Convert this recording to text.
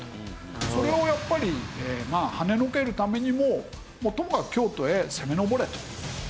それをやっぱりはねのけるためにもともかく京都へ攻め上れと。